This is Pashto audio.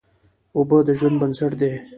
اوبه د ژوند بنسټ دي.